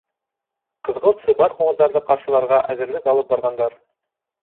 Ҡыҙғылт-сыбар ҡуңыҙҙарҙы ҡаршыларға әҙерлек алып барғандар.